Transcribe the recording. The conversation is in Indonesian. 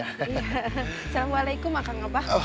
assalamualaikum akang abah